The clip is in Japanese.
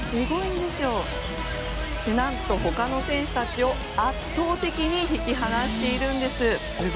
何と、他の選手たちを圧倒的に引き離しているんです。